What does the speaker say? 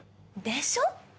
でしょ？